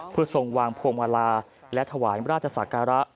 เพื่อทรงวางพวงมาลาและถวายราชศักระ